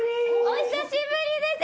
お久しぶりです。